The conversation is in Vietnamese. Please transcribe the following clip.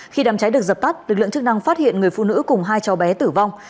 khi đàm cháy được dập tắt lực lượng chức năng phát hiện người phụ nữ cùng hai cháu bé tử vong